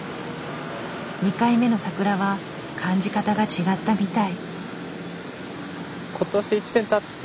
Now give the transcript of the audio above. ２回目の桜は感じ方が違ったみたい。